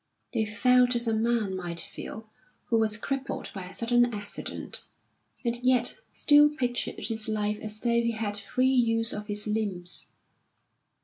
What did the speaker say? They felt as a man might feel who was crippled by a sudden accident, and yet still pictured his life as though he had free use of his limbs....